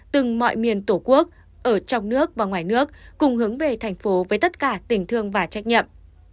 từng mọi miền tổ quốc ở trong nước và ngoài nước cùng hướng về thành phố với tất cả tình thương và trách nhiệm